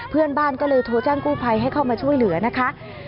เพื่อนบ้านก็เลยโทรแจ้งกู้ภัยให้เข้ามาช่วยเหลือนะคะ